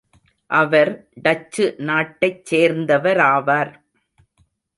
அவர் Dutch நாட்டைச் சேர்ந்தவராவார்.